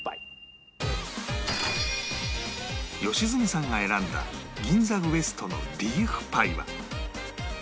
良純さんが選んだ銀座ウエストのリーフパイは